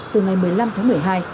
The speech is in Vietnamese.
từ ngày một mươi năm tháng một mươi hai